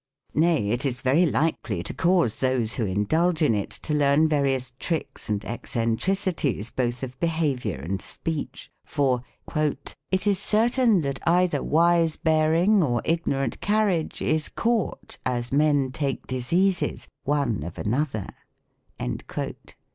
Nay, it is very likely to cause those who indulge in it to learn various tricks and eccentricities, both of behavior and speech, for " It is certain, that either wise bearing or ignorant carriage is caught, as men take diseases, one of anoth er."